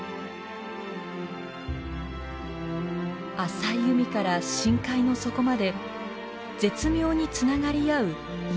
浅い海から深海の底まで絶妙につながり合う命。